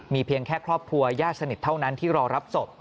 เพียงแค่ครอบครัวญาติสนิทเท่านั้นที่รอรับศพ